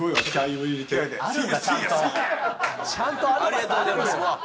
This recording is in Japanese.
ありがとうございますうわっ！